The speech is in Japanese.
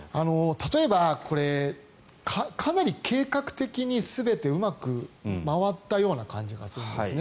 例えば、これかなり計画的に全てうまく回ったような感じがするんですね。